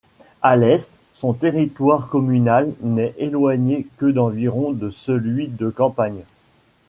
À l'est, son territoire communal n'est éloigné que d'environ de celui de Campagne.